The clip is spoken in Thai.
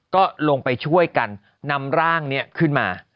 ก็ลงไปช่วยกันนำร่างนี้ขึ้นมา